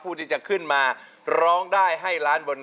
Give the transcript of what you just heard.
ผู้ที่จะขึ้นมาร้องได้ให้แล้ว